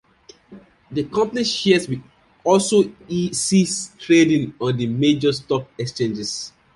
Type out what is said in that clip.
The company shares will also cease trading on the major stock exchanges.